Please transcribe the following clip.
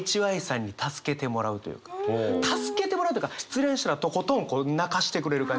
助けてもらうというか失恋したらとことん泣かせてくれる感じ。